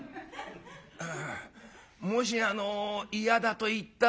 「ああもしあの嫌だと言ったら」。